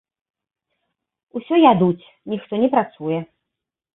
Усё ядуць, ніхто не працуе.